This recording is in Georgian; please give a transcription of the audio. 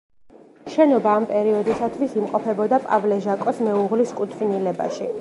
შენობა ამ პერიოდისათვის იმყოფებოდა პავლე ჟაკოს მეუღლის კუთვნილებაში.